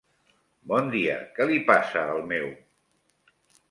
Bon dia, què li passa al meu?